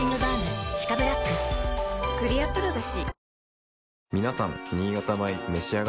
クリアプロだＣ。